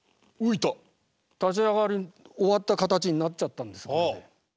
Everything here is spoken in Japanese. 立ち上がり終わった形になっちゃったんですこれで。